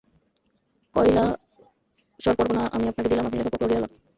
কয়লাসর পরগনা আমি আপনাকে দিলাম–আপনি লেখাপড়া করিয়া লউন।